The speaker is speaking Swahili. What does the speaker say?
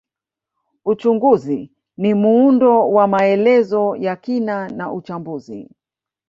Uchunguzi ni muundo wa maelezo ya kina na uchambuzi